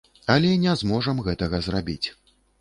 Але не зможам гэтага зрабіць.